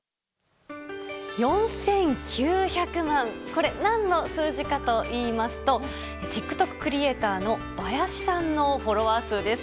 これ、何の数字かといいますとＴｉｋＴｏｋクリエーターのバヤシさんのフォロワー数です。